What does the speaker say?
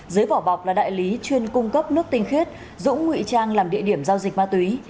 dưới vỏ bọc là đại lý chuyên cung cấp nước tinh khiết dũng ngụy trang làm địa điểm giao dịch ma túy